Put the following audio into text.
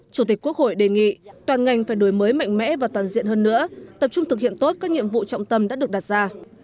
chủ tịch quốc hội đề nghị toàn ngành phải đổi mới mạnh mẽ và toàn diện hơn nữa tập trung thực hiện tốt các nhiệm vụ trọng tâm đã được đặt ra